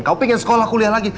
kamu pengen sekolah kuliah lagi